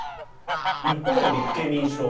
一方の立憲民主党。